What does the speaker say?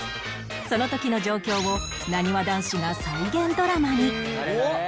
その時の状況をなにわ男子が再現ドラマに！